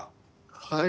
はい。